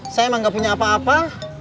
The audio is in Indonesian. saya emang gak punya apa apa